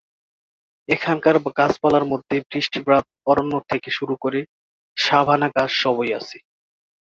এখানকার গাছপালার মধ্যে বৃষ্টিপাত অরণ্য থেকে শুরু করে সাভানা ঘাস সবই আছে।